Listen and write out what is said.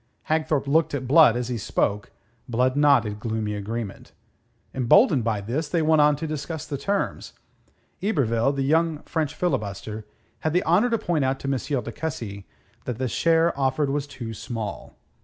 Hagthorpe looked at Blood as he spoke. Blood nodded gloomy agreement. Emboldened by this, they went on to discuss the terms. Yberville, the young French filibuster, had the honour to point out to M. de Cussy that the share offered was too small.